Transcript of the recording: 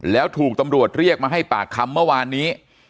แล้วถูกตำรวจเรียกมาให้ปากคำเมื่อวานนี้